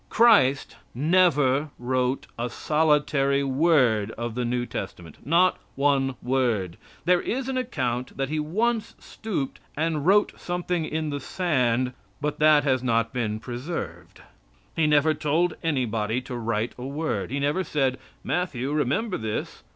Christ never wrote a solitary word of the New Testament not one word. There is an account that He once stooped and wrote something in the sand, but that has not been preserved. He never told anybody to write a word. He never said: "Matthew, remember this.